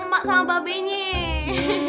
emak sama mbak benyek